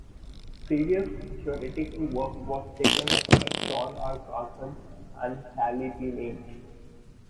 Serious theoretical work was taken up by John R. Carson and Sallie P. Mead.